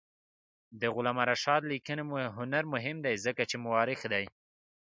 د علامه رشاد لیکنی هنر مهم دی ځکه چې مؤرخ دی.